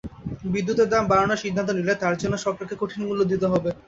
বিদ্যুতের দাম বাড়ানোর সিদ্ধান্ত নিলে তার জন্য সরকারকে কঠিন মূল্য দিতে হবে।